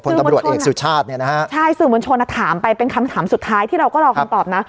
ตำรวจเอกสุชาติเนี่ยนะฮะใช่สื่อมวลชนอ่ะถามไปเป็นคำถามสุดท้ายที่เราก็รอคำตอบนะ